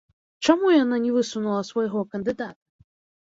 Чаму яна не высунула свайго кандыдата?